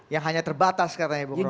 yang hanya terbatas katanya ibu krofi